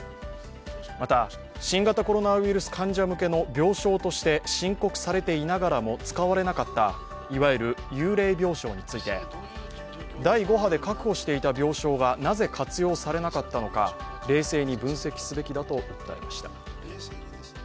また、新型コロナウイルス患者向けの病床として申告されていながらも使われなかった、いわゆる幽霊病床について、第５波で確保していた病床がなぜ活用されなかったのか冷静に分析すべきだと訴えました。